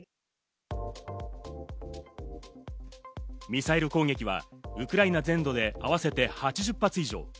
ミサイル攻撃はウクライナ全土で合わせて８０発以上。